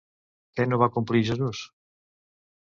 Què no va complir Jesús?